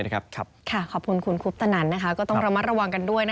ขอบคุณคุณคุปตนันก็ต้องระมัดระวังกันด้วย